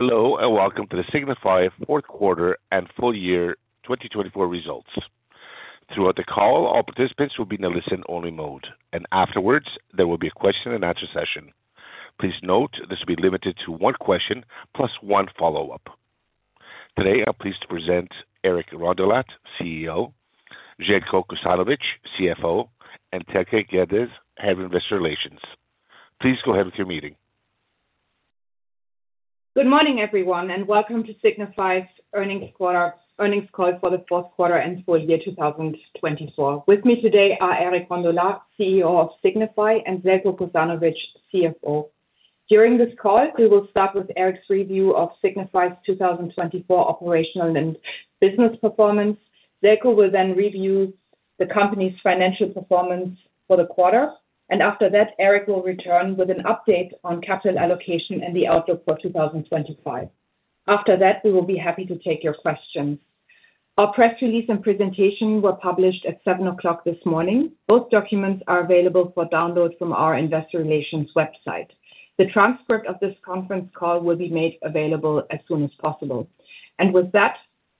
Hello, and welcome to the Signify Fourth Quarter and Full Year 2024 Results. Throughout the call, all participants will be in a listen-only mode, and afterwards, there will be a question-and-answer session. Please note this will be limited to one question plus one follow-up. Today, I'm pleased to present Eric Rondolat, CEO, Željko Kosanović, CFO, and Thelke Gerdes, Head of Investor Relations. Please go ahead with your meeting. Good morning, everyone, and welcome to Signify's earnings call for the fourth quarter and full year 2024. With me today are Eric Rondolat, CEO of Signify, and Željko Kosanović, CFO. During this call, we will start with Eric's review of Signify's 2024 operational and business performance. Željko will then review the company's financial performance for the quarter, and after that, Eric will return with an update on capital allocation and the outlook for 2025. After that, we will be happy to take your questions. Our press release and presentation were published at 7:00 A.M. this morning. Both documents are available for download from our investor relations website. The transcript of this conference call will be made available as soon as possible. And with that,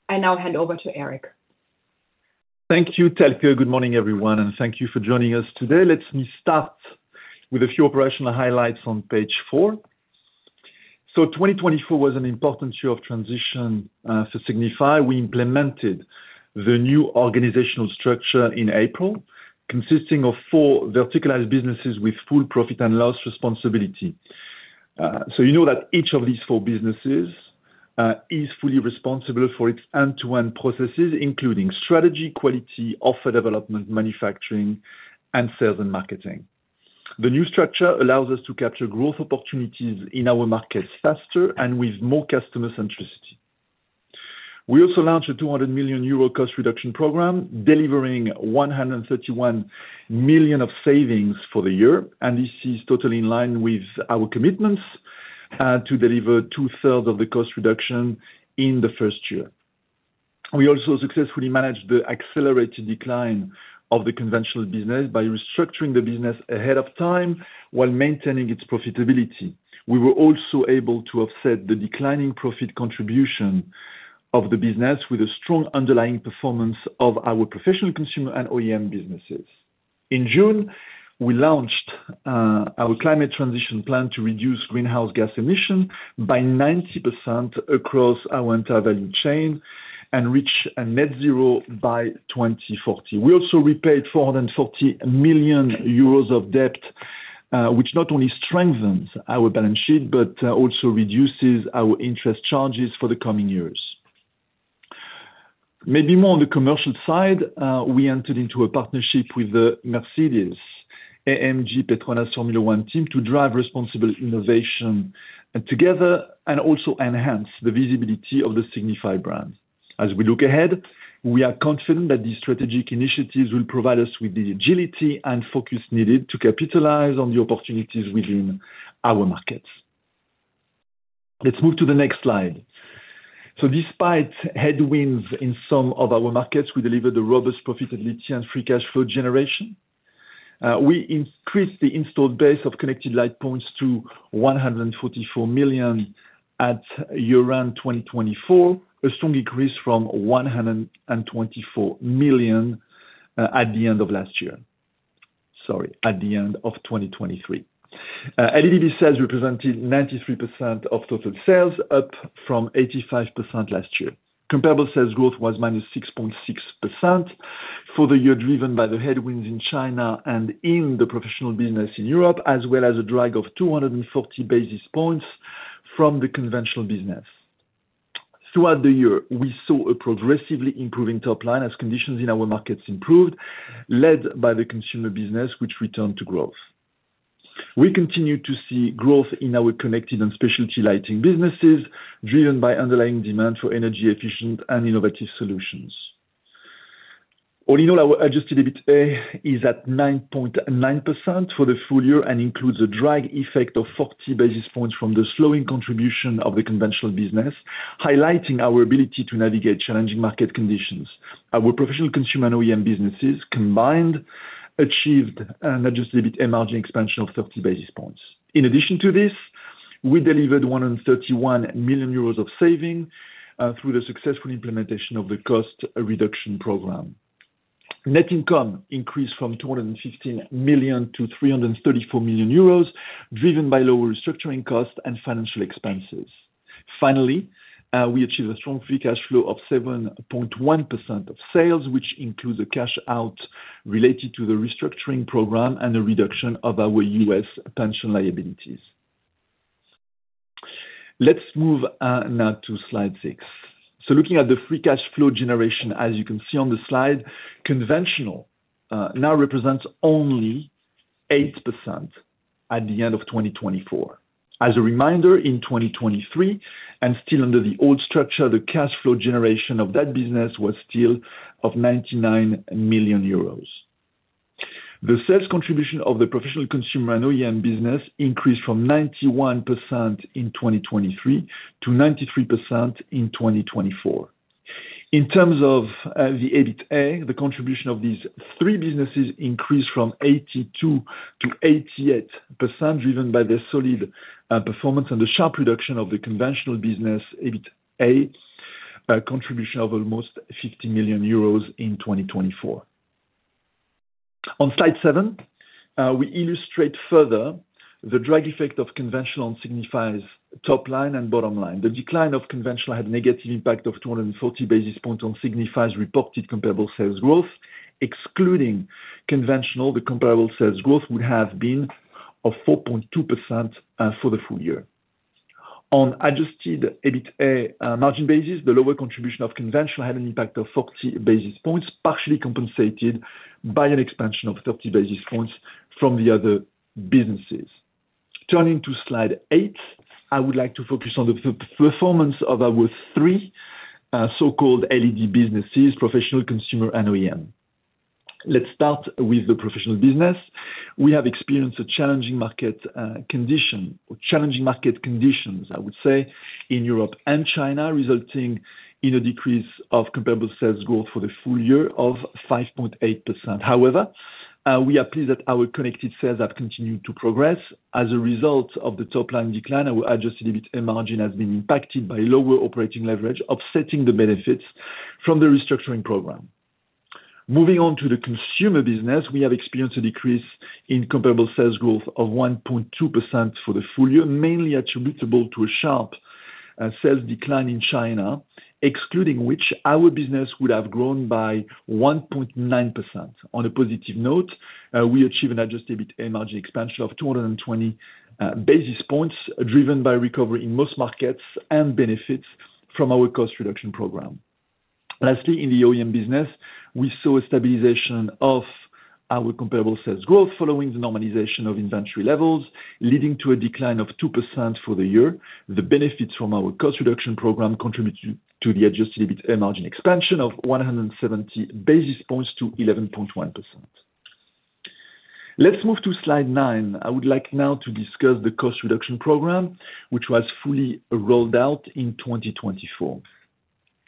I now hand over to Eric. Thank you. Thelke, good morning, everyone, and thank you for joining us today. Let me start with a few operational highlights on page four. So, 2024 was an important year of transition for Signify. We implemented the new organizational structure in April, consisting of four verticalized businesses with full profit and loss responsibility. So, you know that each of these four businesses is fully responsible for its end-to-end processes, including strategy, quality, offer development, manufacturing, and sales and marketing. The new structure allows us to capture growth opportunities in our markets faster and with more customer centricity. We also launched a 200 million euro cost reduction program, delivering 131 million of savings for the year, and this is totally in line with our commitments to deliver two-thirds of the cost reduction in the first year. We also successfully managed the accelerated decline of the Conventional business by restructuring the business ahead of time while maintaining its profitability. We were also able to offset the declining profit contribution of the business with a strong underlying performance of our Professional Consumer and OEM businesses. In June, we launched our climate transition plan to reduce greenhouse gas emissions by 90% across our entire value chain and reach net zero by 2040. We also repaid 440 million euros of debt, which not only strengthens our balance sheet but also reduces our interest charges for the coming years. Maybe more on the commercial side, we entered into a partnership with the Mercedes-AMG PETRONAS Formula One Team to drive responsible innovation together and also enhance the visibility of the Signify brand. As we look ahead, we are confident that these strategic initiatives will provide us with the agility and focus needed to capitalize on the opportunities within our markets. Let's move to the next slide. So, despite headwinds in some of our markets, we delivered a robust profitability and free cash flow generation. We increased the installed base of connected light points to 144 million at year-end 2024, a strong increase from 124 million at the end of last year. Sorry, at the end of 2023. LED sales represented 93% of total sales, up from 85% last year. Comparable sales growth was minus 6.6% for the year driven by the headwinds in China and in the Professional business in Europe, as well as a drag of 240 basis points from the Conventional business. Throughout the year, we saw a progressively improving top line as conditions in our markets improved, led by the Consumer business, which returned to growth. We continue to see growth in our connected and specialty lighting businesses, driven by underlying demand for energy-efficient and innovative solutions. All in all, our Adjusted EBITA is at 9.9% for the full year and includes a drag effect of 40 basis points from the slowing contribution of the Conventional business, highlighting our ability to navigate challenging market conditions. Our Professional Consumer and OEM businesses combined achieved an Adjusted EBITA margin expansion of 30 basis points. In addition to this, we delivered 131 million euros of savings through the successful implementation of the cost reduction program. Net income increased from 215 million-EUR334 million, driven by lower restructuring costs and financial expenses. Finally, we achieved a strong free cash flow of 7.1% of sales, which includes a cash-out related to the restructuring program and a reduction of our U.S. pension liabilities. Let's move now to slide six. So, looking at the free cash flow generation, as you can see on the slide, Conventional now represents only 8% at the end of 2024. As a reminder, in 2023, and still under the old structure, the cash flow generation of that business was still of 99 million euros. The sales contribution of the Professional Consumer and OEM business increased from 91% in 2023 to 93% in 2024. In terms of the EBITA, the contribution of these three businesses increased from 82%-88%, driven by the solid performance and the sharp reduction of the Conventional business EBITA contribution of almost 50 million euros in 2024. On slide seven, we illustrate further the drag effect of Conventional on Signify's top line and bottom line. The decline of Conventional had a negative impact of 240 basis points on Signify's reported comparable sales growth. Excluding Conventional, the comparable sales growth would have been of 4.2% for the full year. On Adjusted EBITA margin basis, the lower contribution of Conventional had an impact of 40 basis points, partially compensated by an expansion of 30 basis points from the other businesses. Turning to slide eight, I would like to focus on the performance of our three so-called LED businesses, Professional, Consumer, and OEM. Let's start with the Professional business. We have experienced a challenging market condition, or challenging market conditions, I would say, in Europe and China, resulting in a decrease of comparable sales growth for the full year of 5.8%. However, we are pleased that our connected sales have continued to progress. As a result of the top line decline, our Adjusted EBITA margin has been impacted by lower operating leverage, offsetting the benefits from the restructuring program. Moving on to the Consumer business, we have experienced a decrease in comparable sales growth of 1.2% for the full year, mainly attributable to a sharp sales decline in China, excluding which our business would have grown by 1.9%. On a positive note, we achieved an Adjusted EBITA margin expansion of 220 basis points, driven by recovery in most markets and benefits from our cost reduction program. Lastly, in the OEM business, we saw a stabilization of our comparable sales growth following the normalization of inventory levels, leading to a decline of 2% for the year. The benefits from our cost reduction program contributed to the adjusted EBITA margin expansion of 170 basis points to 11.1%. Let's move to slide nine. I would like now to discuss the cost reduction program, which was fully rolled out in 2024.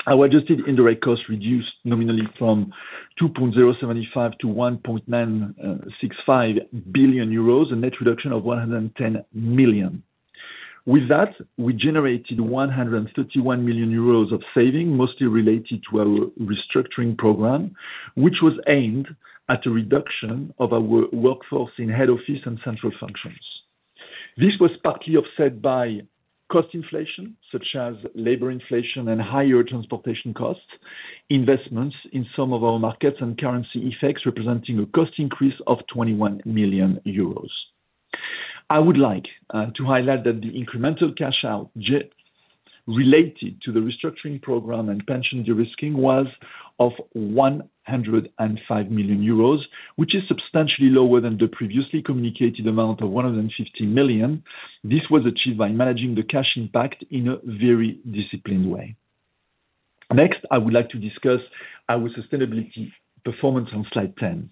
Our adjusted indirect costs reduced nominally from 2.075 billion to 1.965 billion euros, a net reduction of 110 million. With that, we generated 131 million euros of savings, mostly related to our restructuring program, which was aimed at a reduction of our workforce in head office and central functions. This was partly offset by cost inflation, such as labor inflation and higher transportation costs, investments in some of our markets, and currency effects representing a cost increase of 21 million euros. I would like to highlight that the incremental cash-out related to the restructuring program and pension de-risking was of 105 million euros, which is substantially lower than the previously communicated amount of 150 million. This was achieved by managing the cash impact in a very disciplined way. Next, I would like to discuss our sustainability performance on slide 10.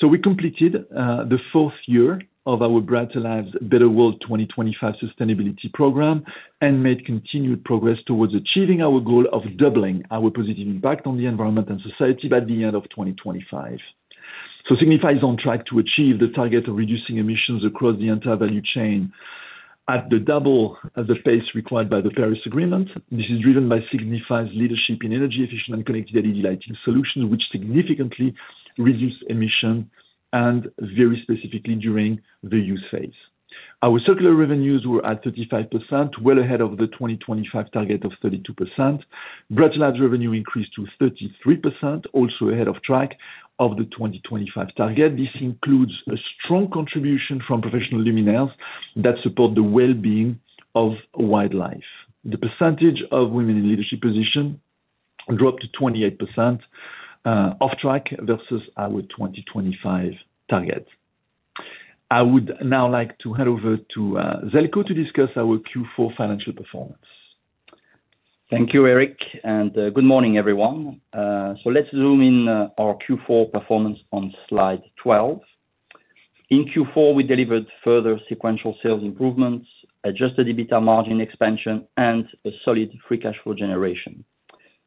So, we completed the fourth year of our Brighter Lives, Better World 2025 sustainability program and made continued progress towards achieving our goal of doubling our positive impact on the environment and society by the end of 2025. So, Signify is on track to achieve the target of reducing emissions across the entire value chain at the double of the pace required by the Paris Agreement. This is driven by Signify's leadership in energy-efficient and connected LED lighting solutions, which significantly reduce emissions, and very specifically during the use phase. Our circular revenues were at 35%, well ahead of the 2025 target of 32%. Brighter Lives, Better World 2025 revenue increased to 33%, also ahead of track of the 2025 target. This includes a strong contribution from Professional luminaires that support the well-being of wildlife. The percentage of women in leadership positions dropped to 28%, off track vs our 2025 target. I would now like to hand over to Željko to discuss our Q4 financial performance. Thank you, Eric, and good morning, everyone. So, let's zoom in on our Q4 performance on slide 12. In Q4, we delivered further sequential sales improvements, adjusted EBITA margin expansion, and a solid free cash flow generation.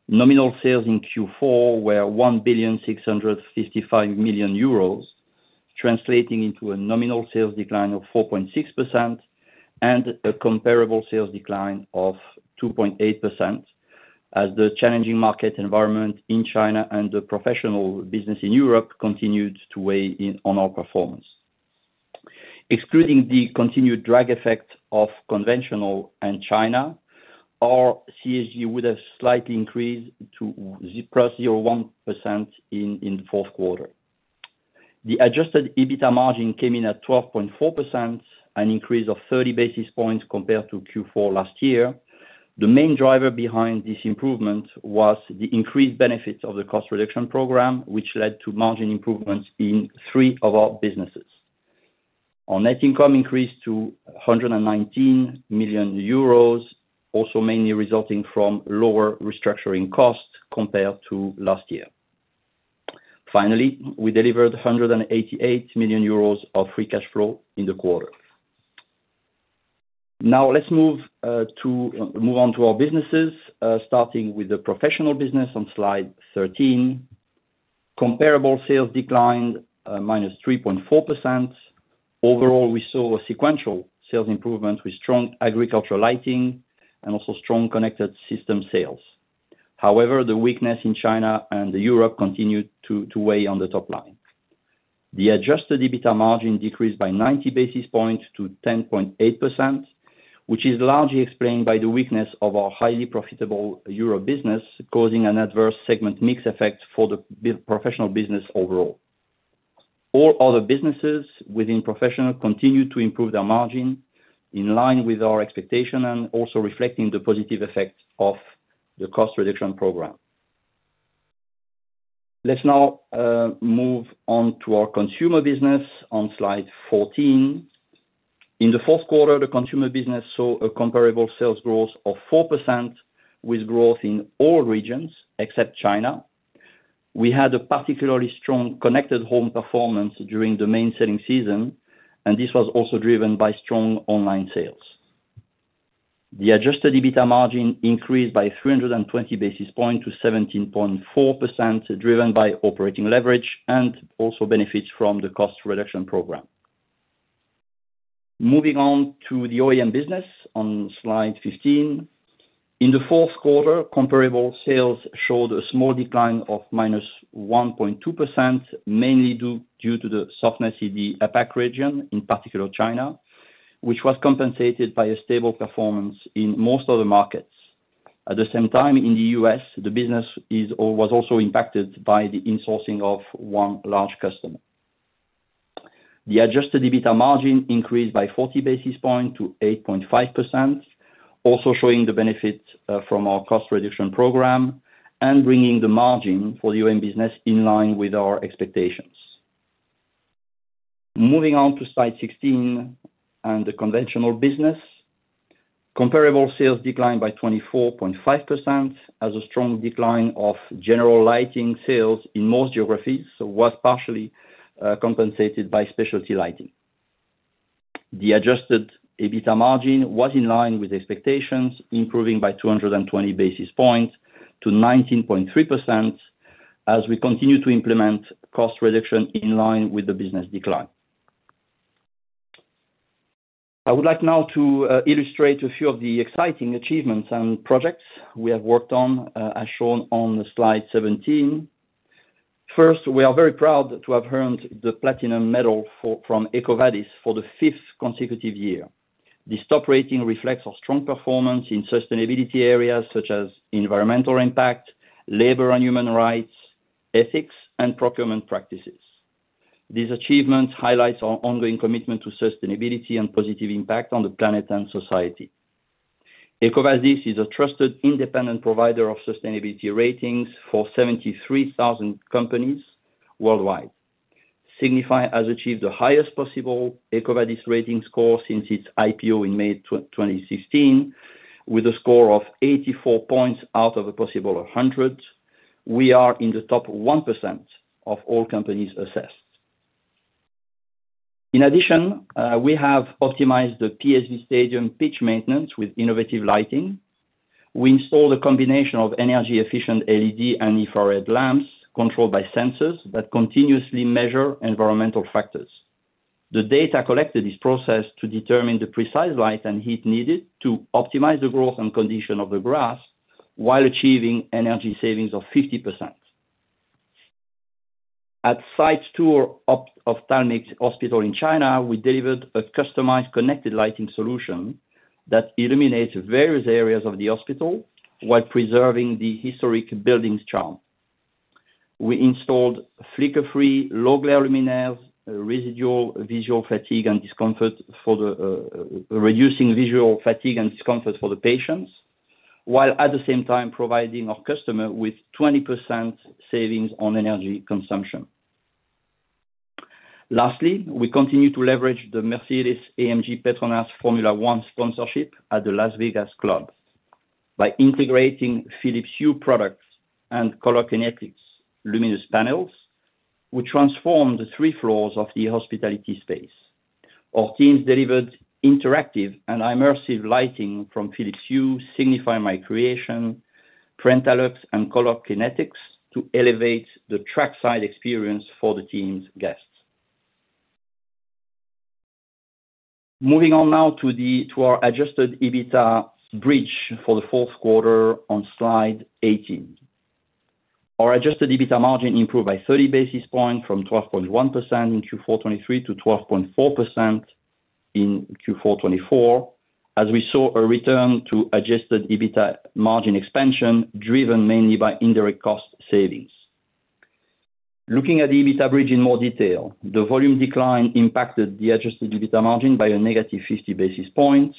Nominal sales in Q4 were 1,655 million euros, translating into a nominal sales decline of 4.6% and a comparable sales decline of 2.8%, as the challenging market environment in China and the Professional business in Europe continued to weigh in on our performance. Excluding the continued drag effect of Conventional and China, our CSG would have slightly increased to +0.1% in the fourth quarter. The adjusted EBITA margin came in at 12.4%, an increase of 30 basis points compared to Q4 last year. The main driver behind this improvement was the increased benefits of the cost reduction program, which led to margin improvements in three of our businesses. Our net income increased to 119 million euros, also mainly resulting from lower restructuring costs compared to last year. Finally, we delivered 188 million euros of free cash flow in the quarter. Now, let's move on to our businesses, starting with the Professional business on slide 13. Comparable sales declined -3.4%. Overall, we saw a sequential sales improvement with strong agricultural lighting and also strong connected system sales. However, the weakness in China and Europe continued to weigh on the top line. The adjusted EBITA margin decreased by 90 basis points to 10.8%, which is largely explained by the weakness of our highly profitable Europe business, causing an adverse segment mix effect for the Professional business overall. All other businesses within Professional continued to improve their margin in line with our expectation and also reflecting the positive effect of the cost reduction program. Let's now move on to our Consumer business on slide 14. In the fourth quarter, the Consumer business saw a comparable sales growth of 4%, with growth in all regions except China. We had a particularly strong connected home performance during the main selling season, and this was also driven by strong online sales. The Adjusted EBITA margin increased by 320 basis points to 17.4%, driven by operating leverage and also benefits from the cost reduction program. Moving on to the OEM business on slide 15. In the fourth quarter, comparable sales showed a small decline of -1.2%, mainly due to the softness in the APAC region, in particular China, which was compensated by a stable performance in most other markets. At the same time, in the U.S., the business was also impacted by the insourcing of one large customer. The adjusted EBITA margin increased by 40 basis points to 8.5%, also showing the benefit from our cost reduction program and bringing the margin for the OEM business in line with our expectations. Moving on to slide 16 and the Conventional business, comparable sales declined by 24.5%, as a strong decline of general lighting sales in most geographies was partially compensated by specialty lighting. The adjusted EBITA margin was in line with expectations, improving by 220 basis points to 19.3%, as we continue to implement cost reduction in line with the business decline. I would like now to illustrate a few of the exciting achievements and projects we have worked on, as shown on slide 17. First, we are very proud to have earned the Platinum Medal from EcoVadis for the fifth consecutive year. This top rating reflects our strong performance in sustainability areas such as environmental impact, labor and human rights, ethics, and procurement practices. These achievements highlight our ongoing commitment to sustainability and positive impact on the planet and society. EcoVadis is a trusted independent provider of sustainability ratings for 73,000 companies worldwide. Signify has achieved the highest possible EcoVadis rating score since its IPO in May 2016, with a score of 84 points out of a possible 100. We are in the top 1% of all companies assessed. In addition, we have optimized the PSV Stadium pitch maintenance with innovative lighting. We installed a combination of energy-efficient LED and infrared lamps controlled by sensors that continuously measure environmental factors. The data collected is processed to determine the precise light and heat needed to optimize the growth and condition of the grass while achieving energy savings of 50%. At site two of Tianjin Medical Hospital in China, we delivered a customized connected lighting solution that illuminates various areas of the hospital while preserving the historic building's charm. We installed flicker-free low-glare luminaires, reducing residual visual fatigue and discomfort for the patients, while at the same time providing our customer with 20% savings on energy consumption. Lastly, we continue to leverage the Mercedes-AMG PETRONAS Formula One sponsorship at the Las Vegas Club. By integrating Philips Hue products and Color Kinetics luminous panels, we transformed the three floors of the hospitality space. Our teams delivered interactive and immersive lighting from Philips Hue, Signify MyCreation, PrentaLux, and Color Kinetics to elevate the trackside experience for the team's guests. Moving on now to our adjusted EBITA bridge for the fourth quarter on slide 18. Our Adjusted EBITA margin improved by 30 basis points from 12.1% in Q4 2023 to 12.4% in Q4 2024, as we saw a return to Adjusted EBITA margin expansion driven mainly by indirect cost savings. Looking at the EBITA bridge in more detail, the volume decline impacted the Adjusted EBITA margin by a negative 50 basis points.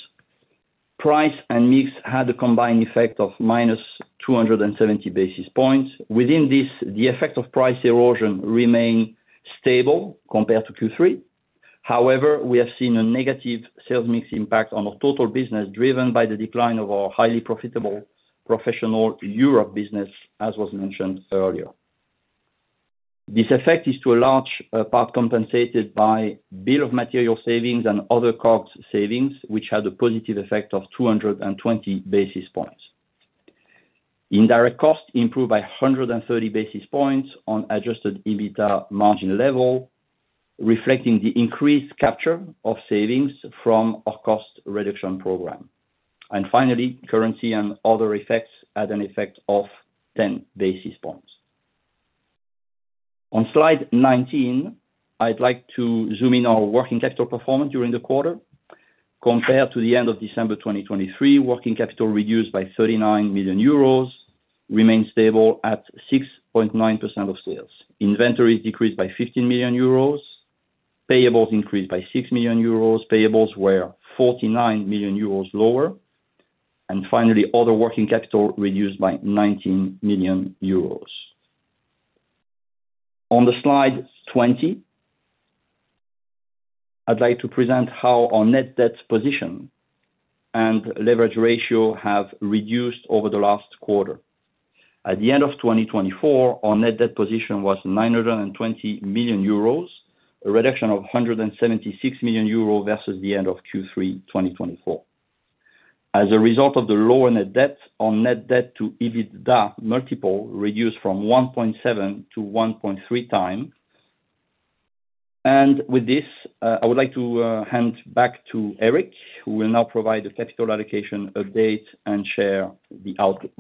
Price and mix had a combined effect of minus 270 basis points. Within this, the effect of price erosion remained stable compared to Q3. However, we have seen a negative sales mix impact on our total business driven by the decline of our highly profitable Professional Europe business, as was mentioned earlier. This effect is to a large part compensated by bill of materials savings and other cost savings, which had a positive effect of 220 basis points. Indirect cost improved by 130 basis points on adjusted EBITA margin level, reflecting the increased capture of savings from our cost reduction program. And finally, currency and other effects had an effect of 10 basis points. On Slide 19, I'd like to zoom in on working capital performance during the quarter. Compared to the end of December 2023, working capital reduced by 39 million euros, remained stable at 6.9% of sales. Inventories decreased by 15 million euros, payables increased by 6 million euros. Payables were 49 million euros lower. And finally, other working capital reduced by 19 million euros. On Slide 20, I'd like to present how our net debt position and leverage ratio have reduced over the last quarter. At the end of 2024, our net debt position was 920 million euros, a reduction of 176 million euros versus the end of Q3 2024. As a result of the lower net debt, our net debt to EBITDA multiple reduced from 1.7-1.3x, and with this, I would like to hand back to Eric, who will now provide a capital allocation update and share the outlook.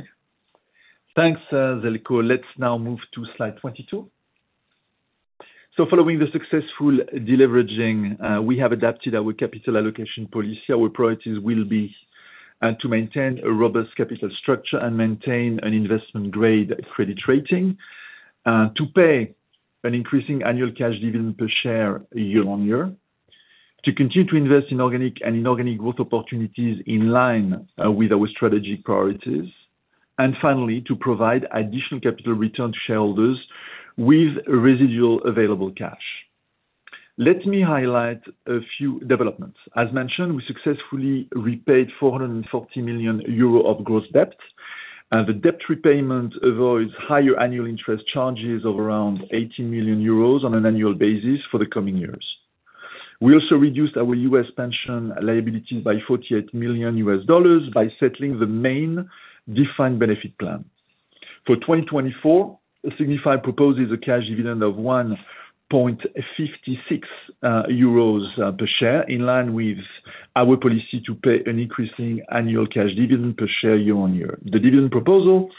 Thanks, Željko. Let's now move to slide 22. So, following the successful deleveraging, we have adapted our capital allocation policy. Our priorities will be to maintain a robust capital structure and maintain an investment-grade credit rating, to pay an increasing annual cash dividend per share year on year, to continue to invest in organic and inorganic growth opportunities in line with our strategic priorities, and finally, to provide additional capital return to shareholders with residual available cash. Let me highlight a few developments. As mentioned, we successfully repaid 440 million euro of gross debt, and the debt repayment avoids higher annual interest charges of around 80 million euros on an annual basis for the coming years. We also reduced our U.S. pension liabilities by $48 million by settling the main defined benefit plan. For 2024, Signify proposes a cash dividend of 1.56 euros per share, in line with our policy to pay an increasing annual cash dividend per share year on year. The dividend proposal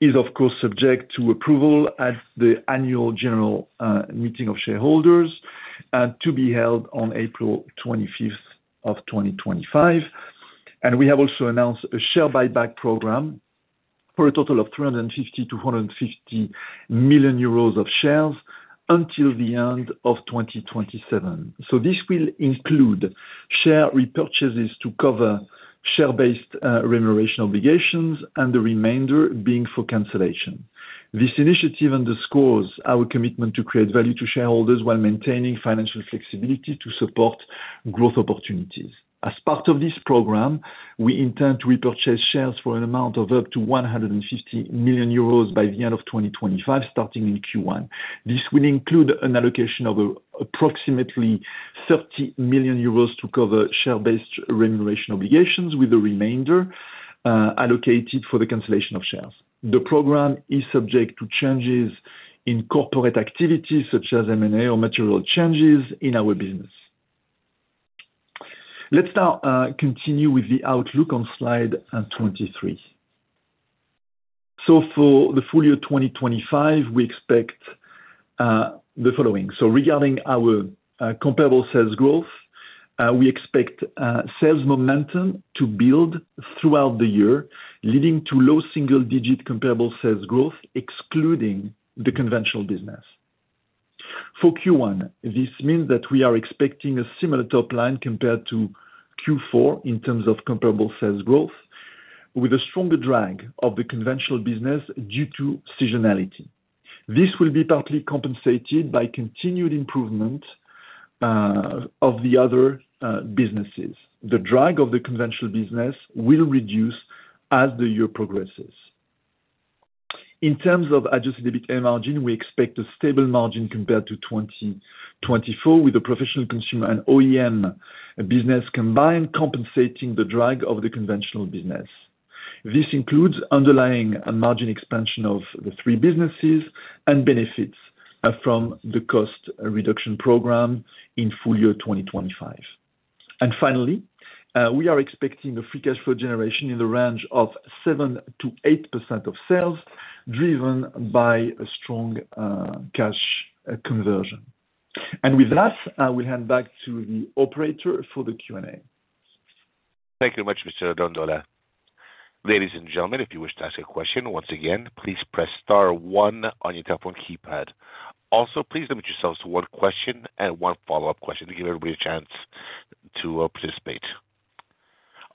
is, of course, subject to approval at the annual general meeting of shareholders and to be held on April 25th of 2025, and we have also announced a share buyback program for a total of 150-350 million euros of shares until the end of 2027, so, this will include share repurchases to cover share-based remuneration obligations and the remainder being for cancellation. This initiative underscores our commitment to create value to shareholders while maintaining financial flexibility to support growth opportunities. As part of this program, we intend to repurchase shares for an amount of up to 150 million euros by the end of 2025, starting in Q1. This will include an allocation of approximately 30 million euros to cover share-based remuneration obligations, with the remainder allocated for the cancellation of shares. The program is subject to changes in corporate activities, such as M&A or material changes in our business. Let's now continue with the outlook on slide 23. So, for the full year 2025, we expect the following. So, regarding our comparable sales growth, we expect sales momentum to build throughout the year, leading to low single-digit comparable sales growth, excluding the Conventional business. For Q1, this means that we are expecting a similar top line compared to Q4 in terms of comparable sales growth, with a stronger drag of the Conventional business due to seasonality. This will be partly compensated by continued improvement of the other businesses. The drag of the Conventional business will reduce as the year progresses. In terms of Adjusted EBITA margin, we expect a stable margin compared to 2024, with the Professional Consumer and OEM business combined compensating the drag of the Conventional business. This includes underlying margin expansion of the three businesses and benefits from the cost reduction program in full year 2025. And finally, we are expecting a free cash flow generation in the range of 7%-8% of sales, driven by a strong cash conversion. And with that, I will hand back to the operator for the Q&A. Thank you very much, Mr. Eric Rondolat. Ladies and gentlemen, if you wish to ask a question, once again, please press star one on your telephone keypad. Also, please limit yourselves to one question and one follow-up question to give everybody a chance to participate.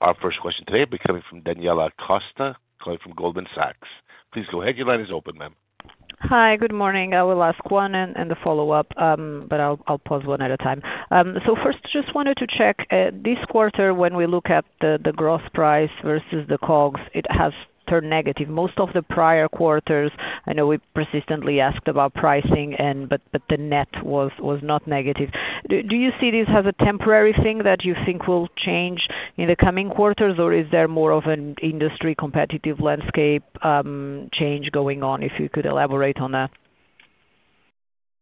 Our first question today will be coming from Daniela Costa, calling from Goldman Sachs. Please go ahead. Your line is open, ma'am. Hi, good morning. I will ask one and the follow-up, but I'll pause one at a time. So, first, just wanted to check this quarter, when we look at the gross price versus the COGS, it has turned negative. Most of the prior quarters, I know we persistently asked about pricing, but the net was not negative. Do you see this as a temporary thing that you think will change in the coming quarters, or is there more of an industry competitive landscape change going on, if you could elaborate on that?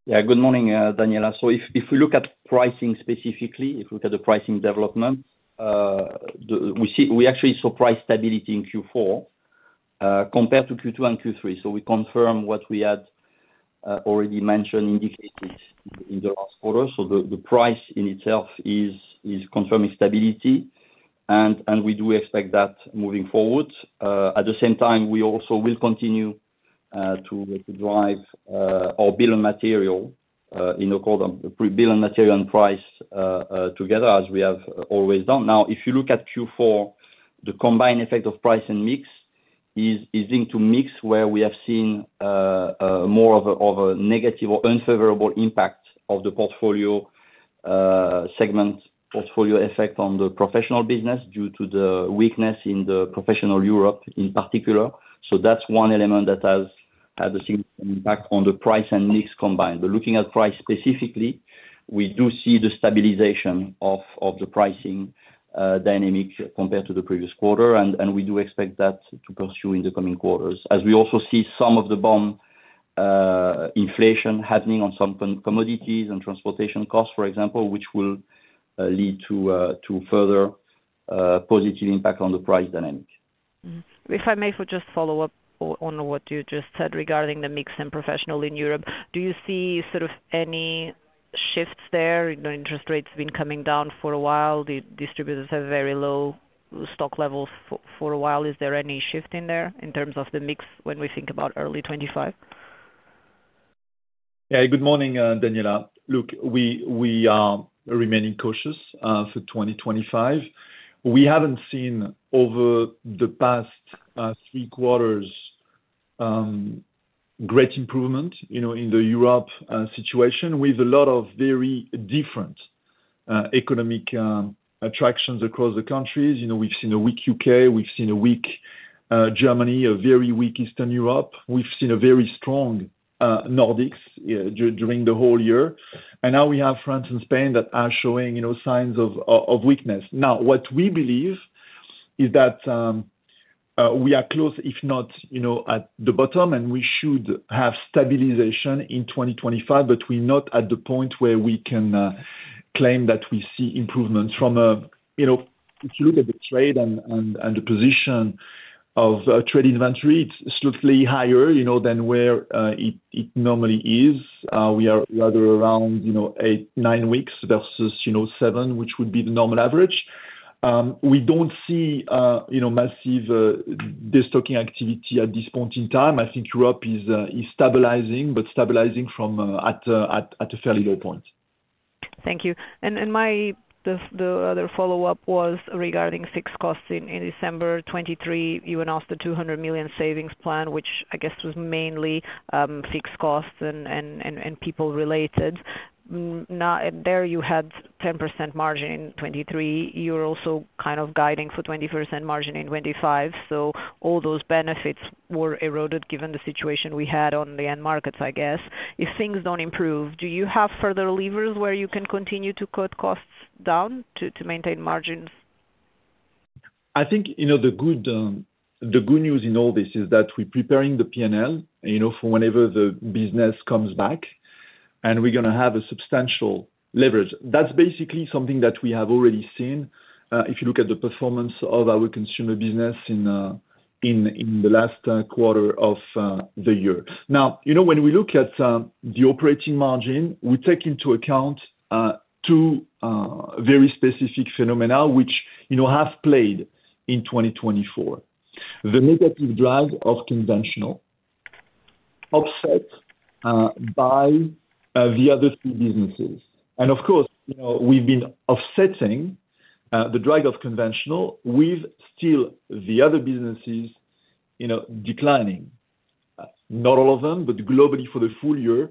Yeah, good morning, Daniela. So, if we look at pricing specifically, if we look at the pricing development, we actually saw price stability in Q4 compared to Q2 and Q3. So, we confirm what we had already mentioned indicated in the last quarter. So, the price in itself is confirming stability, and we do expect that moving forward. At the same time, we also will continue to drive our bill of materials in accordance with bill of materials and price together, as we have always done. Now, if you look at Q4, the combined effect of price and mix is linked to mix where we have seen more of a negative or unfavorable impact of the portfolio segment portfolio effect on the Professional business due to the weakness in the Professional Europe in particular. So, that's one element that has had a significant impact on the price and mix combined. But looking at price specifically, we do see the stabilization of the pricing dynamic compared to the previous quarter, and we do expect that to pursue in the coming quarters, as we also see some of the input inflation happening on some commodities and transportation costs, for example, which will lead to further positive impact on the price dynamic. If I may just follow up on what you just said regarding the mix in Professional in Europe, do you see sort of any shifts there? The interest rates have been coming down for a while. Distributors have very low stock levels for a while. Is there any shift in there in terms of the mix when we think about early 2025? Yeah, good morning, Daniela. Look, we are remaining cautious for 2025. We haven't seen over the past three quarters great improvement in the Europe situation with a lot of very different economic attractions across the countries. We've seen a weak U.K. We've seen a weak Germany, a very weak Eastern Europe. We've seen a very strong Nordics during the whole year. And now we have France and Spain that are showing signs of weakness. Now, what we believe is that we are close, if not at the bottom, and we should have stabilization in 2025, but we're not at the point where we can claim that we see improvements. If you look at the trade and the position of trade inventory, it's slightly higher than where it normally is. We are rather around eight, nine weeks vs seven, which would be the normal average. We don't see massive destocking activity at this point in time. I think Europe is stabilizing, but stabilizing from at a fairly low point. Thank you. And the other follow-up was regarding fixed costs. In December 2023, you announced the 200 million savings plan, which I guess was mainly fixed costs and people related. There, you had 10% margin in 2023. You're also kind of guiding for 20% margin in 2025. So, all those benefits were eroded given the situation we had on the end markets, I guess. If things don't improve, do you have further levers where you can continue to cut costs down to maintain margins? I think the good news in all this is that we're preparing the P&L for whenever the business comes back, and we're going to have a substantial leverage. That's basically something that we have already seen if you look at the performance of our Consumer business in the last quarter of the year. Now, when we look at the operating margin, we take into account two very specific phenomena which have played in 2024: the negative drag of Conventional, offset by the other three businesses, and of course, we've been offsetting the drag of Conventional with still the other businesses declining. Not all of them, but globally for the full year,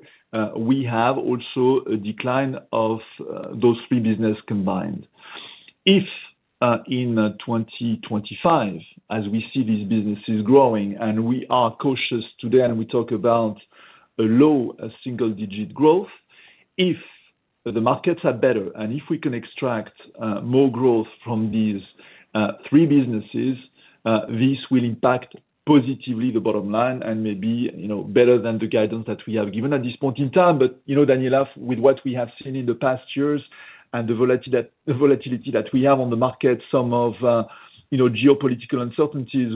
we have also a decline of those three businesses combined. If in 2025, as we see these businesses growing, and we are cautious today, and we talk about a low single-digit growth, if the markets are better, and if we can extract more growth from these three businesses, this will impact positively the bottom line and maybe better than the guidance that we have given at this point in time. But Daniela, with what we have seen in the past years and the volatility that we have on the market, some of geopolitical uncertainties,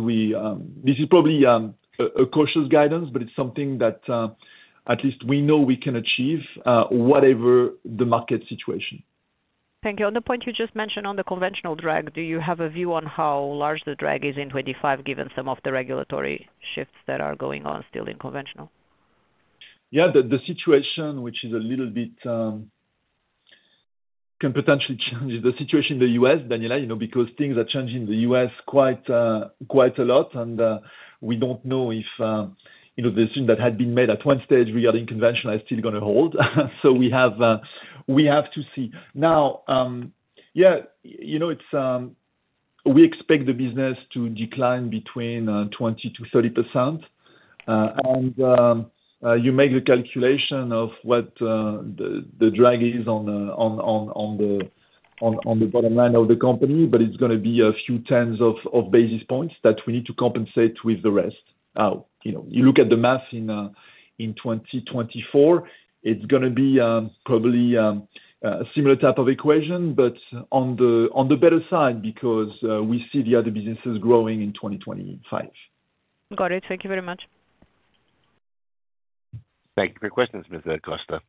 this is probably a cautious guidance, but it's something that at least we know we can achieve, whatever the market situation. Thank you. On the point you just mentioned on the Conventional drag, do you have a view on how large the drag is in 2025, given some of the regulatory shifts that are going on still in Conventional? Yeah, the situation, which is a little bit can potentially change the situation in the U.S., Daniela, because things are changing in the U.S. quite a lot, and we don't know if the decision that had been made at one stage regarding Conventional is still going to hold. So, we have to see. Now, yeah, we expect the business to decline between 20%-30%. And you make the calculation of what the drag is on the bottom line of the company, but it's going to be a few tens of basis points that we need to compensate with the rest. You look at the math in 2024, it's going to be probably a similar type of equation, but on the better side because we see the other businesses growing in 2025. Got it. Thank you very much. Thank you for your questions, Ms. Costa.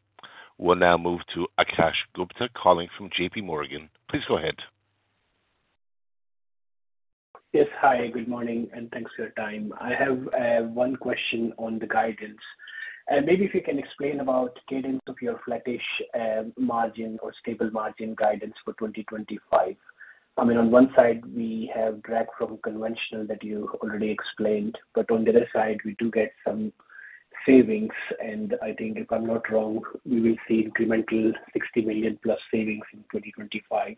We'll now move to Akash Gupta calling from J.P. Morgan. Please go ahead. Yes, hi, good morning, and thanks for your time. I have one question on the guidance. Maybe if you can explain about cadence of your flattish margin or stable margin guidance for 2025? I mean, on one side, we have drag from Conventional that you already explained, but on the other side, we do get some savings. And I think if I'm not wrong, we will see incremental 60 million-plus savings in 2025.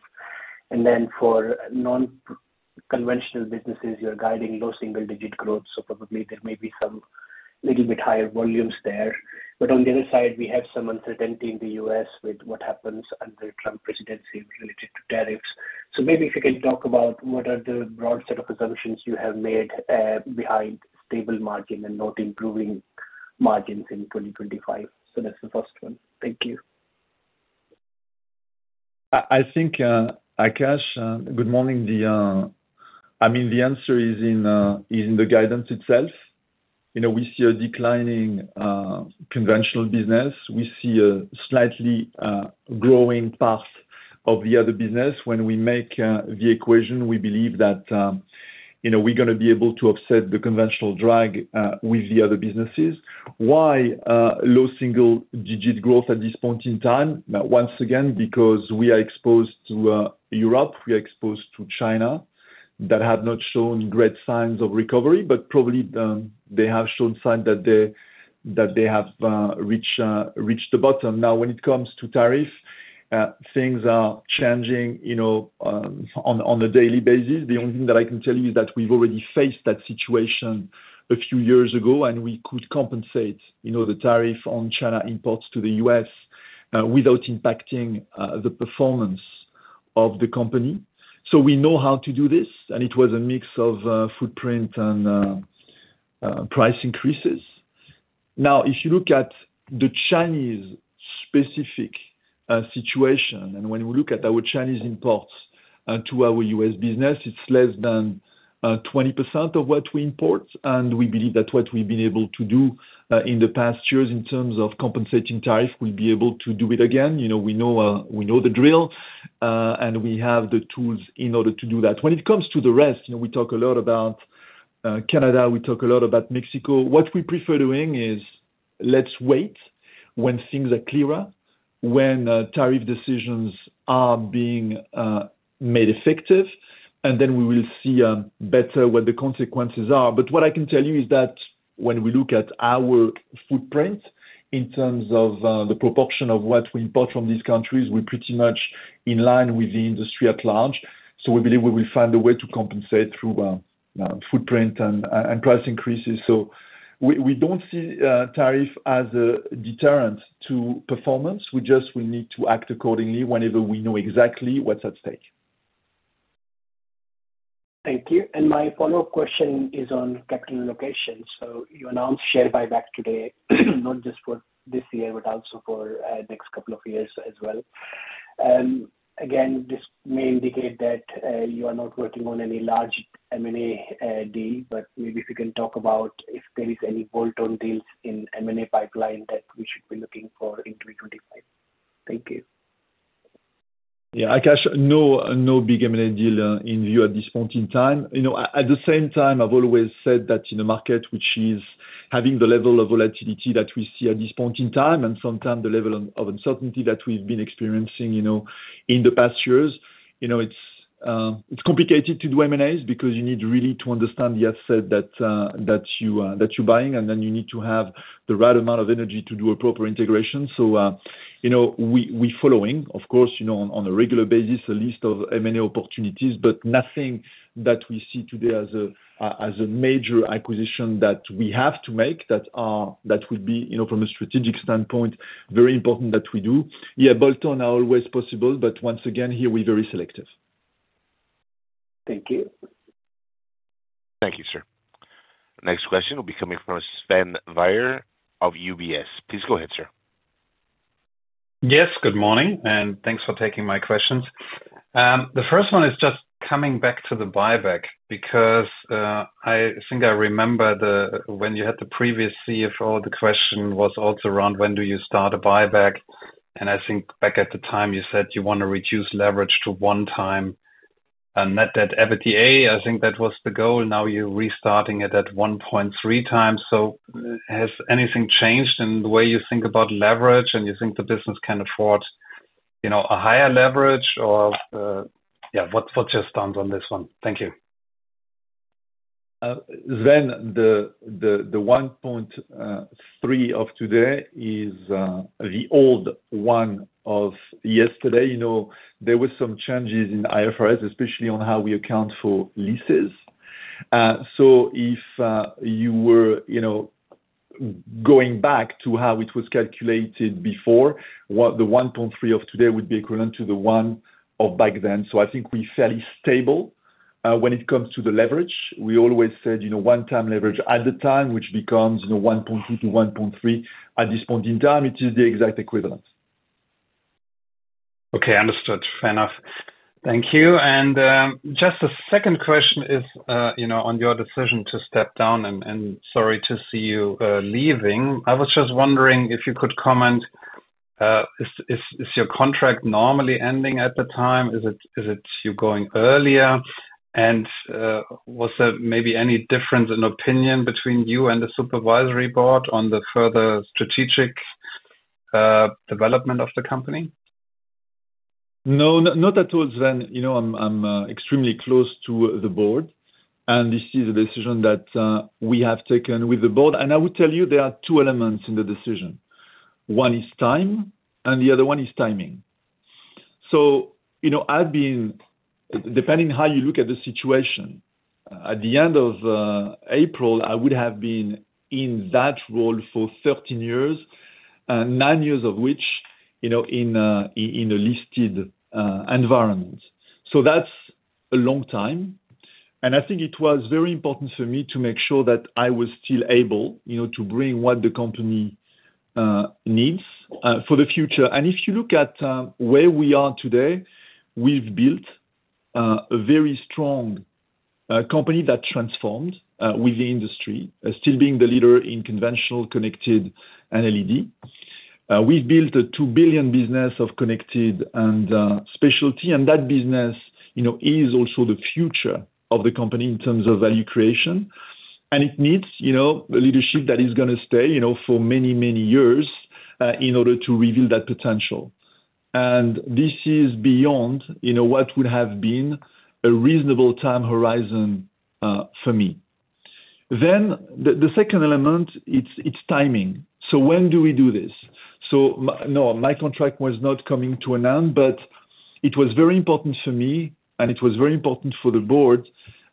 And then for non-Conventional businesses, you're guiding low single-digit growth, so probably there may be some little bit higher volumes there. But on the other side, we have some uncertainty in the U.S. with what happens under Trump presidency related to tariffs. So maybe if you can talk about what are the broad set of assumptions you have made behind stable margin and not improving margins in 2025? So that's the first one. Thank you. I think, Akash, good morning. I mean, the answer is in the guidance itself. We see a declining Conventional business. We see a slightly growing path of the other business. When we make the equation, we believe that we're going to be able to offset the Conventional drag with the other businesses. Why low single-digit growth at this point in time? Once again, because we are exposed to Europe. We are exposed to China that have not shown great signs of recovery, but probably they have shown signs that they have reached the bottom. Now, when it comes to tariff, things are changing on a daily basis. The only thing that I can tell you is that we've already faced that situation a few years ago, and we could compensate the tariff on China imports to the U.S. without impacting the performance of the company. So we know how to do this, and it was a mix of footprint and price increases. Now, if you look at the Chinese-specific situation, and when we look at our Chinese imports to our U.S. business, it's less than 20% of what we import. And we believe that what we've been able to do in the past years in terms of compensating tariff, we'll be able to do it again. We know the drill, and we have the tools in order to do that. When it comes to the rest, we talk a lot about Canada. We talk a lot about Mexico. What we prefer doing is let's wait when things are clearer, when tariff decisions are being made effective, and then we will see better what the consequences are. But what I can tell you is that when we look at our footprint in terms of the proportion of what we import from these countries, we're pretty much in line with the industry at large. So we believe we will find a way to compensate through footprint and price increases. So we don't see tariff as a deterrent to performance. We just will need to act accordingly whenever we know exactly what's at stake. Thank you. And my follow-up question is on capital allocation. So you announced share buyback today, not just for this year, but also for the next couple of years as well. Again, this may indicate that you are not working on any large M&A deal, but maybe if you can talk about if there is any bolt-on deals in M&A pipeline that we should be looking for in 2025? Thank you. Yeah, Akash, no big M&A deal in view at this point in time. At the same time, I've always said that in a market which is having the level of volatility that we see at this point in time, and sometimes the level of uncertainty that we've been experiencing in the past years, it's complicated to do M&As because you need really to understand the asset that you're buying, and then you need to have the right amount of energy to do a proper integration. We're following, of course, on a regular basis, a list of M&A opportunities, but nothing that we see today as a major acquisition that we have to make that would be, from a strategic standpoint, very important that we do. Yeah, bolt-on are always possible, but once again, here we're very selective. Thank you. Thank you, sir. Next question will be coming from Sven Weier of UBS. Please go ahead, sir. Yes, good morning, and thanks for taking my questions. The first one is just coming back to the buyback because I think I remember when you had the previous CFO, the question was also around when do you start a buyback, and I think back at the time you said you want to reduce leverage to one time net debt to EBITDA. I think that was the goal. Now you're restarting it at 1.3x, so has anything changed in the way you think about leverage, and you think the business can afford a higher leverage, or yeah, what's your stance on this one? Thank you. Sven, the 1.3 of today is the old one of yesterday. There were some changes in IFRS, especially on how we account for leases, so if you were going back to how it was calculated before, the 1.3 of today would be equivalent to the 1 of back then, so I think we're fairly stable when it comes to the leverage. We always said one times leverage at the time, which becomes 1.2-1.3 at this point in time. It is the exact equivalent. Okay, understood. Fair enough. Thank you. And just a second question is on your decision to step down, and sorry to see you leaving. I was just wondering if you could comment, is your contract normally ending at the time? Is it you going earlier? And was there maybe any difference in opinion between you and the supervisory board on the further strategic development of the company? No, not at all, Sven. I'm extremely close to the board, and this is a decision that we have taken with the board. And I would tell you there are two elements in the decision. One is time, and the other one is timing. So I've been, depending on how you look at the situation, at the end of April, I would have been in that role for 13 years, nine years of which in a listed environment. So that's a long time. And I think it was very important for me to make sure that I was still able to bring what the company needs for the future. And if you look at where we are today, we've built a very strong company that transformed with the industry, still being the leader in Conventional, connected, and LED. We've built a 2 billion business of connected and specialty, and that business is also the future of the company in terms of value creation. And it needs the leadership that is going to stay for many, many years in order to reveal that potential. And this is beyond what would have been a reasonable time horizon for me. Then the second element, it's timing. So when do we do this? So no, my contract was not coming to an end, but it was very important for me, and it was very important for the board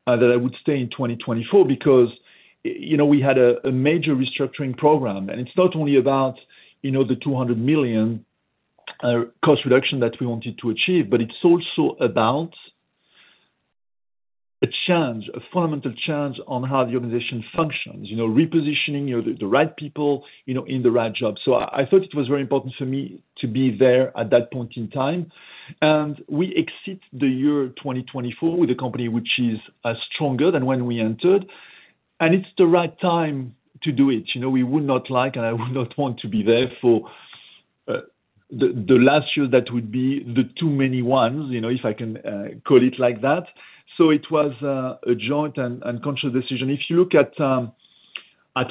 that I would stay in 2024 because we had a major restructuring program. And it's not only about the 200 million cost reduction that we wanted to achieve, but it's also about a change, a fundamental change on how the organization functions, repositioning the right people in the right job. So I thought it was very important for me to be there at that point in time. And we exit the year 2024 with a company which is stronger than when we entered. And it's the right time to do it. We would not like, and I would not want to be there for the last year that would be the too many ones, if I can call it like that. So it was a joint and conscious decision. If you look at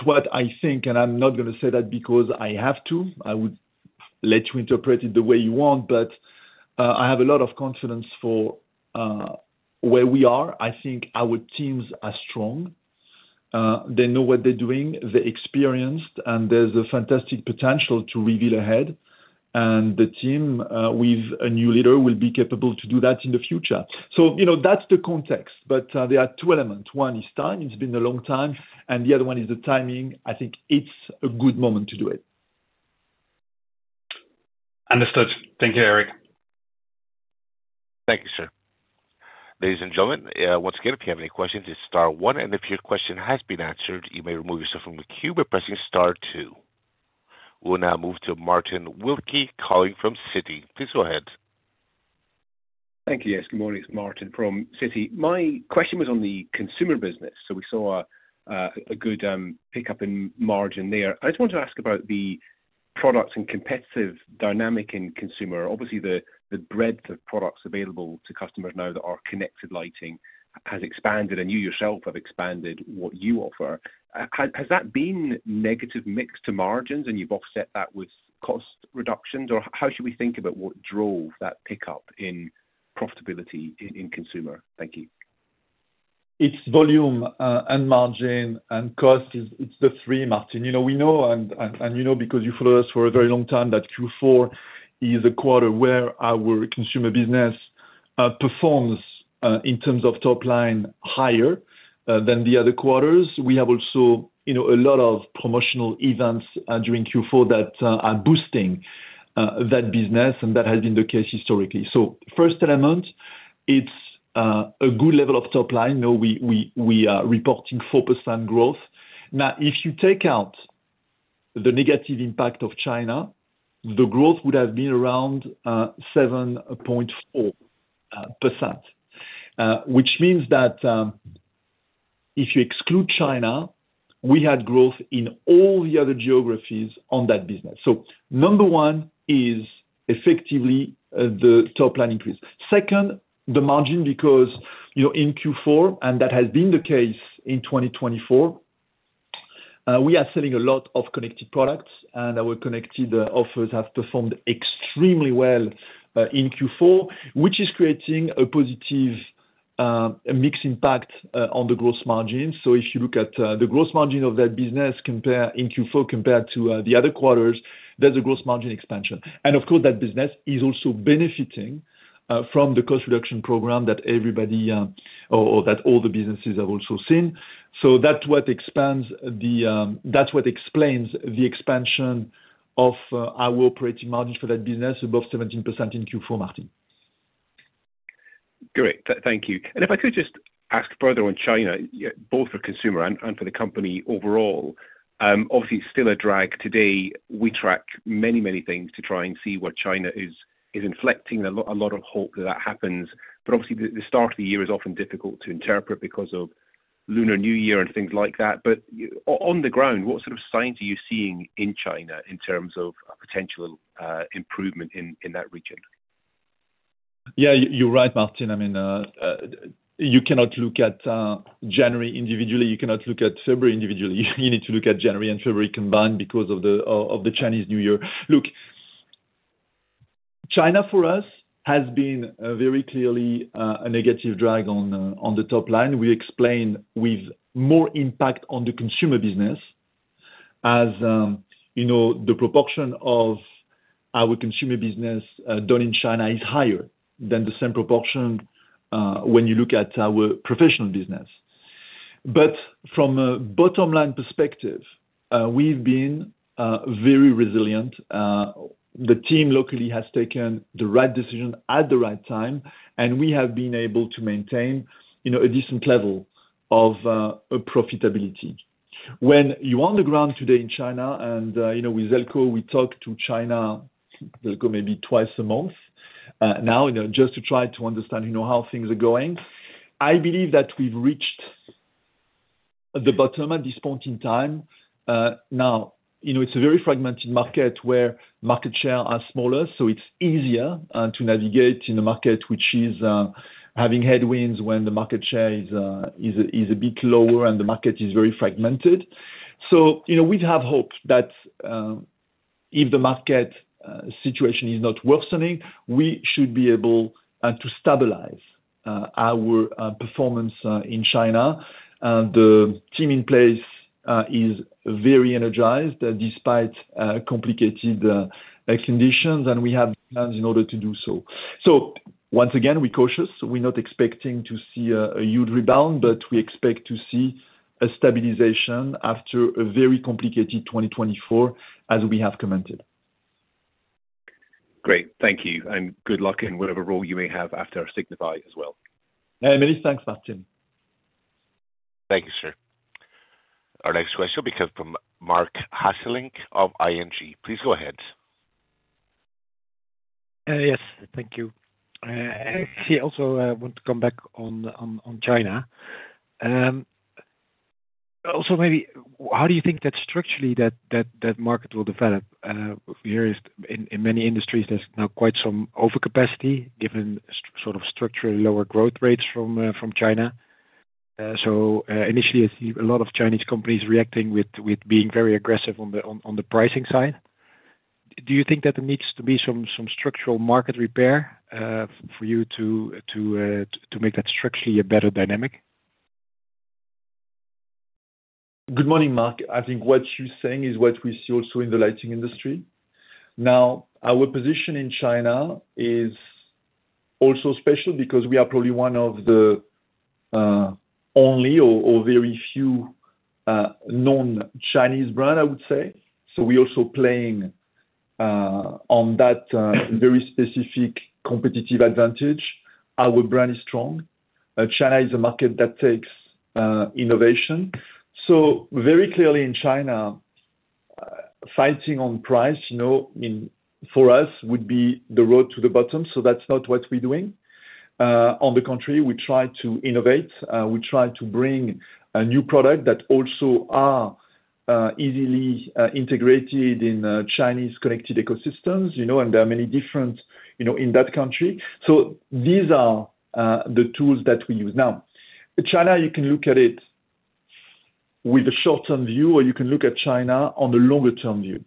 what I think, and I'm not going to say that because I have to, I would let you interpret it the way you want, but I have a lot of confidence for where we are. I think our teams are strong. They know what they're doing. They're experienced, and there's a fantastic potential to reveal ahead. And the team with a new leader will be capable to do that in the future. So that's the context. But there are two elements. One is time. It's been a long time. And the other one is the timing. I think it's a good moment to do it. Understood. Thank you, Eric. Thank you, sir. Ladies and gentlemen, once again, if you have any questions, it's star one. And if your question has been answered, you may remove yourself from the queue by pressing star two. We'll now move to Martin Wilkie calling from Citi. Please go ahead. Thank you. Yes, good morning. It's Martin from Citi. My question was on the Consumer business. So we saw a good pickup in margin there. I just wanted to ask about the products and competitive dynamic in Consumer. Obviously, the breadth of products available to customers now that are connected lighting has expanded, and you yourself have expanded what you offer. Has that been negative mix to margins, and you've offset that with cost reductions? Or how should we think about what drove that pickup in profitability in Consumer? Thank you. It's volume and margin and cost. It's the three, Martin. We know, and you know because you followed us for a very long time, that Q4 is a quarter where our Consumer business performs in terms of top line higher than the other quarters. We have also a lot of promotional events during Q4 that are boosting that business, and that has been the case historically. So first element, it's a good level of top line. We are reporting 4% growth. Now, if you take out the negative impact of China, the growth would have been around 7.4%, which means that if you exclude China, we had growth in all the other geographies on that business. So number one is effectively the top line increase. Second, the margin because in Q4, and that has been the case in 2024, we are selling a lot of connected products, and our connected offers have performed extremely well in Q4, which is creating a positive mixed impact on the gross margins. So if you look at the gross margin of that business in Q4 compared to the other quarters, there's a gross margin expansion. And of course, that business is also benefiting from the cost reduction program that everybody or that all the businesses have also seen. So that's what explains the expansion of our operating margin for that business above 17% in Q4, Martin. Great. Thank you, and if I could just ask further on China, both for Consumer and for the company overall, obviously, it's still a drag today. We track many, many things to try and see what China is inflecting. A lot of hope that that happens, but obviously, the start of the year is often difficult to interpret because of Lunar New Year and things like that, but on the ground, what sort of signs are you seeing in China in terms of potential improvement in that region? Yeah, you're right, Martin. I mean, you cannot look at January individually. You cannot look at February individually. You need to look at January and February combined because of the Chinese New Year. Look, China for us has been very clearly a negative drag on the top line. We explain with more impact on the Consumer business as the proportion of our Consumer business done in China is higher than the same proportion when you look at our Professional business. But from a bottom-line perspective, we've been very resilient. The team locally has taken the right decision at the right time, and we have been able to maintain a decent level of profitability. When you're on the ground today in China, and with Željko, we talk to China maybe twice a month now just to try to understand how things are going. I believe that we've reached the bottom at this point in time. Now, it's a very fragmented market where market share are smaller, so it's easier to navigate in a market which is having headwinds when the market share is a bit lower and the market is very fragmented. So we have hope that if the market situation is not worsening, we should be able to stabilize our performance in China. The team in place is very energized despite complicated conditions, and we have plans in order to do so. So once again, we're cautious. We're not expecting to see a huge rebound, but we expect to see a stabilization after a very complicated 2024, as we have commented. Great. Thank you, and good luck in whatever role you may have after our Signify as well. Hey, many thanks, Martin. Thank you, sir. Our next question will come from Marc Hesselink of ING. Please go ahead. Yes, thank you. I also want to come back on China. Also, maybe how do you think that structurally that market will develop? In many industries, there's now quite some overcapacity given sort of structural lower growth rates from China. So initially, I see a lot of Chinese companies reacting with being very aggressive on the pricing side. Do you think that there needs to be some structural market repair for you to make that structurally a better dynamic? Good morning, Marc. I think what you're saying is what we see also in the lighting industry. Now, our position in China is also special because we are probably one of the only or very few non-Chinese brands, I would say. So we're also playing on that very specific competitive advantage. Our brand is strong. China is a market that takes innovation. So very clearly in China, fighting on price for us would be the road to the bottom. So that's not what we're doing. On the contrary, we try to innovate. We try to bring a new product that also is easily integrated in Chinese connected ecosystems. And there are many different in that country. So these are the tools that we use. Now, China, you can look at it with a short-term view, or you can look at China on the longer-term view,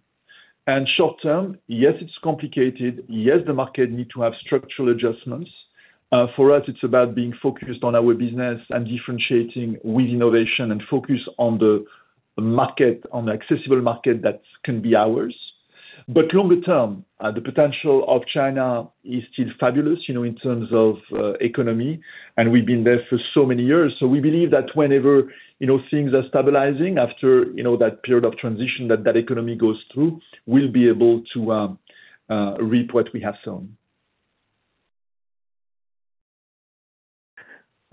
and short-term, yes, it's complicated. Yes, the market needs to have structural adjustments. For us, it's about being focused on our business and differentiating with innovation and focus on the market, on the accessible market that can be ours. But longer-term, the potential of China is still fabulous in terms of economy. And we've been there for so many years. So we believe that whenever things are stabilizing after that period of transition that that economy goes through, we'll be able to reap what we have sown.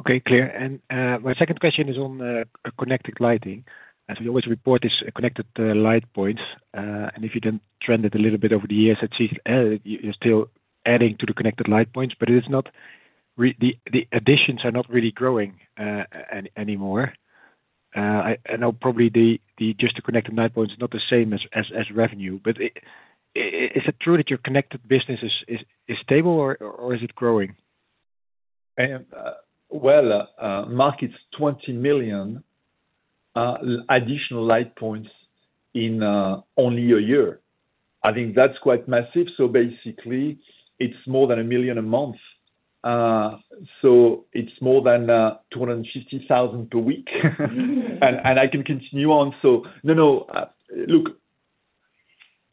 Okay, clear. And my second question is on connected lighting. As we always report, it's connected light points. And if you can trend it a little bit over the years, you're still adding to the connected light points, but the additions are not really growing anymore. I know probably just the connected light points are not the same as revenue. But is it true that your connected business is stable, or is it growing? Well, Marc, it's 20 million additional light points in only a year. I think that's quite massive. So basically, it's more than a million a month. So it's more than 250,000 per week. And I can continue on. So no, no. Look,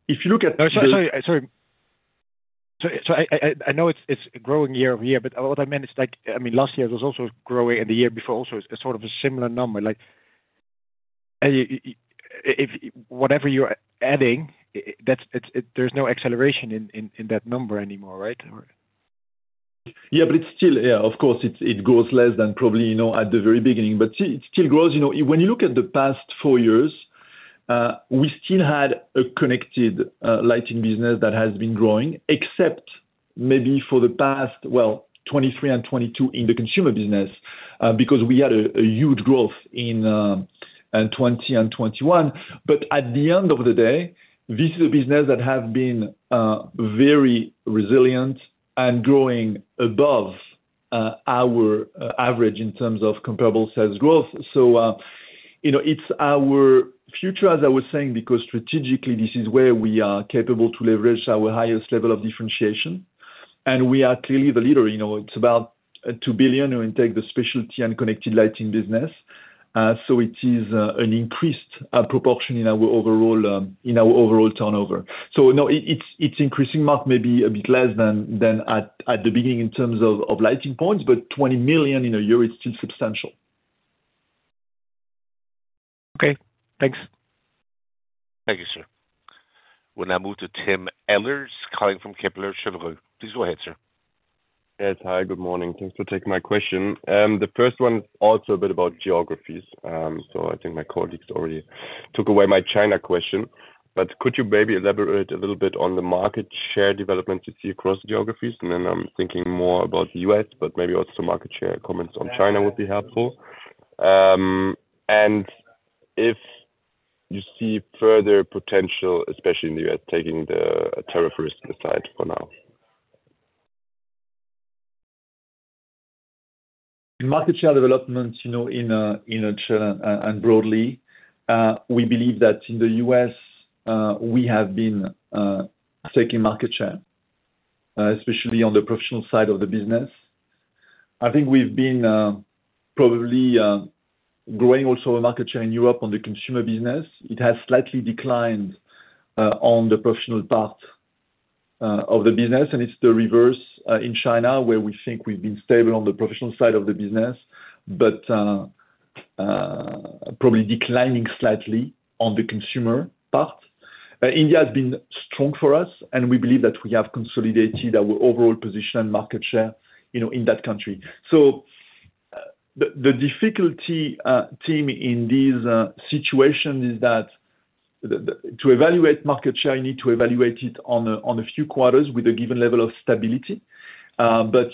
if you look at. No, sorry. Sorry. So I know it's growing year over year, but what I meant is, I mean, last year was also growing, and the year before also is sort of a similar number. Whatever you're adding, there's no acceleration in that number anymore, right? Yeah, but it's still, yeah, of course, it grows less than probably at the very beginning, but it still grows. When you look at the past four years, we still had a connected lighting business that has been growing, except maybe for the past, well, 2023 and 2022 in the Consumer business because we had a huge growth in 2020 and 2021. But at the end of the day, this is a business that has been very resilient and growing above our average in terms of comparable sales growth. So it's our future, as I was saying, because strategically, this is where we are capable to leverage our highest level of differentiation. And we are clearly the leader. It's about 2 billion when you take the specialty and connected lighting business. So it is an increased proportion in our overall turnover. So no, it's increasing, Marc, maybe a bit less than at the beginning in terms of lighting points, but 20 million in a year. It's still substantial. Okay. Thanks. Thank you, sir. We'll now move to Tim Ehlers calling from Kepler Cheuvreux. Please go ahead, sir. Yes. Hi, good morning. Thanks for taking my question. The first one is also a bit about geographies. So I think my colleagues already took away my China question. But could you maybe elaborate a little bit on the market share developments you see across geographies? And then I'm thinking more about the U.S., but maybe also market share comments on China would be helpful. And if you see further potential, especially in the U.S., taking the tariff risk aside for now. Market share developments in China and broadly, we believe that in the U.S., we have been taking market share, especially on the Professional side of the business. I think we've been probably growing also our market share in Europe on the Consumer business. It has slightly declined on the Professional part of the business, and it's the reverse in China, where we think we've been stable on the Professional side of the business, but probably declining slightly on the Consumer part. India has been strong for us, and we believe that we have consolidated our overall position and market share in that country. So the difficulty, Tim, in this situation is that to evaluate market share, you need to evaluate it on a few quarters with a given level of stability. But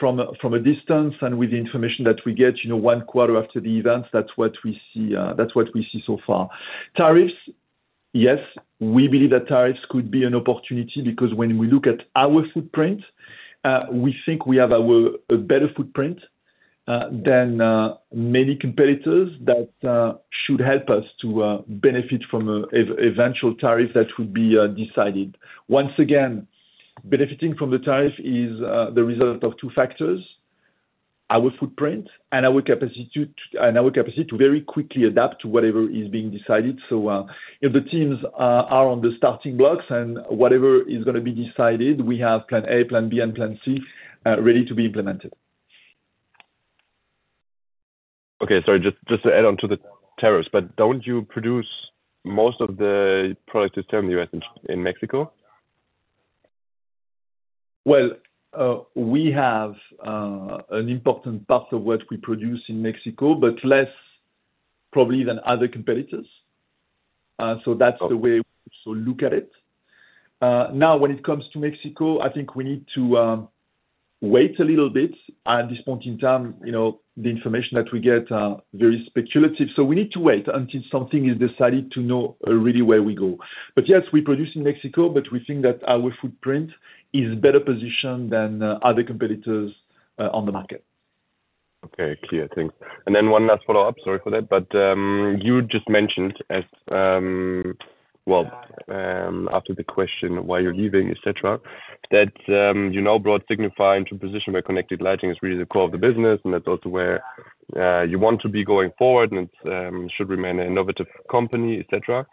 from a distance and with the information that we get, one quarter after the events, that's what we see so far. Tariffs, yes, we believe that tariffs could be an opportunity because when we look at our footprint, we think we have a better footprint than many competitors that should help us to benefit from eventual tariffs that would be decided. Once again, benefiting from the tariff is the result of two factors: our footprint and our capacity to very quickly adapt to whatever is being decided. So if the teams are on the starting blocks and whatever is going to be decided, we have plan A, plan B, and plan C ready to be implemented. Okay. Sorry, just to add on to the tariffs, but don't you produce most of the products still in the U.S. and in Mexico? We have an important part of what we produce in Mexico, but less probably than other competitors. That's the way we also look at it. Now, when it comes to Mexico, I think we need to wait a little bit. At this point in time, the information that we get is very speculative. We need to wait until something is decided to know really where we go. Yes, we produce in Mexico, but we think that our footprint is better positioned than other competitors on the market. Okay. Clear. Thanks. And then one last follow-up, sorry for that. But you just mentioned, well, after the question why you're leaving, etc., that you brought Signify into a position where connected lighting is really the core of the business, and that's also where you want to be going forward, and it should remain an innovative company, etc.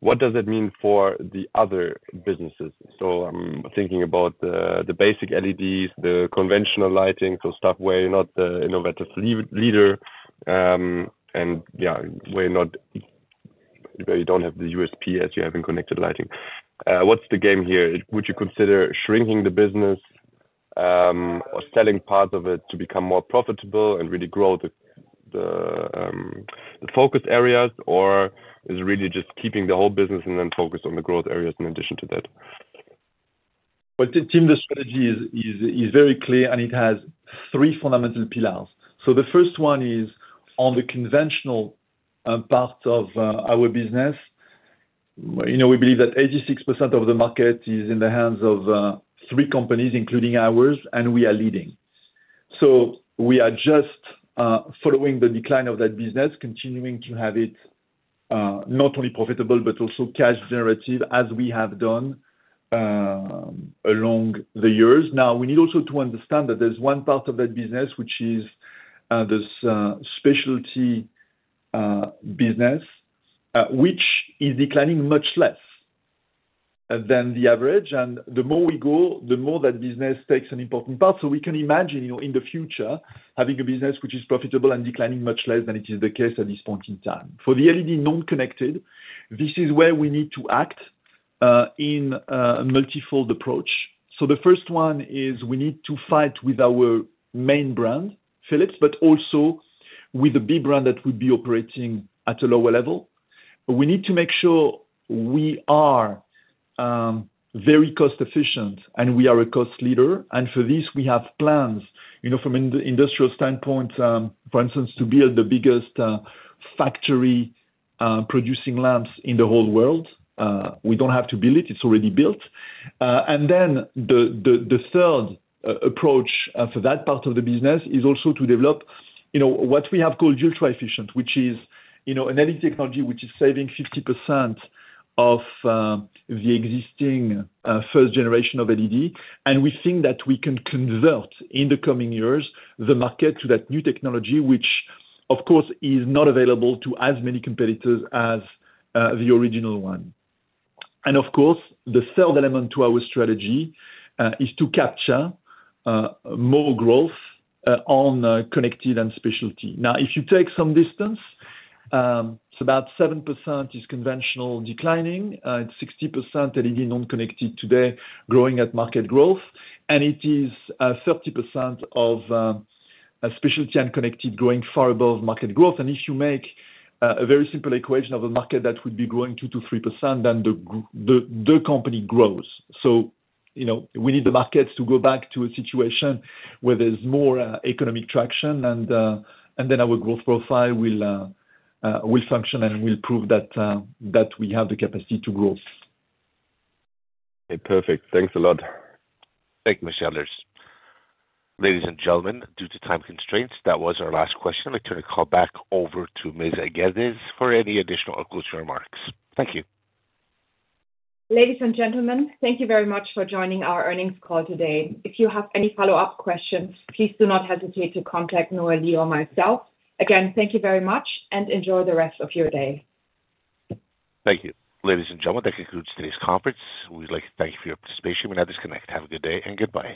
What does that mean for the other businesses? So I'm thinking about the basic LEDs, the Conventional lighting, so stuff where you're not the innovative leader and where you don't have the USP as you have in connected lighting. What's the game here? Would you consider shrinking the business or selling parts of it to become more profitable and really grow the focus areas, or is it really just keeping the whole business and then focus on the growth areas in addition to that? Tim, the strategy is very clear, and it has three fundamental pillars. The first one is on the Conventional part of our business. We believe that 86% of the market is in the hands of three companies, including ours, and we are leading. We are just following the decline of that business, continuing to have it not only profitable, but also cash-generative, as we have done along the years. Now, we need also to understand that there's one part of that business, which is this specialty business, which is declining much less than the average. The more we go, the more that business takes an important part. We can imagine in the future having a business which is profitable and declining much less than it is the case at this point in time. For the LED non-connected, this is where we need to act in a multi-fold approach. So the first one is we need to fight with our main brand, Philips, but also with the B brand that would be operating at a lower level. We need to make sure we are very cost-efficient, and we are a cost leader. And for this, we have plans from an industrial standpoint, for instance, to build the biggest factory producing lamps in the whole world. We don't have to build it. It's already built. And then the third approach for that part of the business is also to develop what we have called ultra-efficient, which is an LED technology which is saving 50% of the existing first generation of LED. We think that we can convert in the coming years the market to that new technology, which, of course, is not available to as many competitors as the original one. Of course, the third element to our strategy is to capture more growth on connected and specialty. Now, if you take some distance, it's about 7% Conventional declining. It's 60% LED non-connected today growing at market growth. It is 30% of specialty and connected growing far above market growth. If you make a very simple equation of a market that would be growing 2-3%, then the company grows. We need the markets to go back to a situation where there's more economic traction, and then our growth profile will function and will prove that we have the capacity to grow. Okay. Perfect. Thanks a lot. Thank you, Mr. Ehlers. Ladies and gentlemen, due to time constraints, that was our last question. We turn the call back over to Ms. Gerdes for any additional or closing remarks. Thank you. Ladies and gentlemen, thank you very much for joining our earnings call today. If you have any follow-up questions, please do not hesitate to contact Noëlly or myself. Again, thank you very much, and enjoy the rest of your day. Thank you. Ladies and gentlemen, that concludes today's conference. We'd like to thank you for your participation. We now disconnect. Have a good day and goodbye.